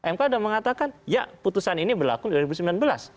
mk sudah mengatakan ya putusan ini berlaku di dua ribu sembilan belas